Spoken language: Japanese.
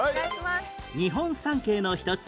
日本三景の一つ